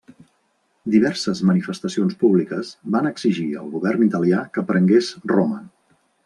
Diverses manifestacions públiques van exigir al govern italià que prengués Roma.